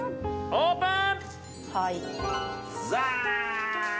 オープン！